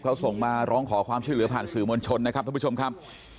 เขาส่งมาร้องขอความช่วยเหลือผ่านสื่อมวลชนนะครับท่านผู้ชมครับ